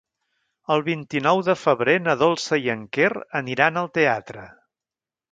El vint-i-nou de febrer na Dolça i en Quer aniran al teatre.